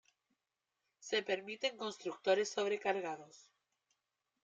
Se permiten constructores sobrecargados.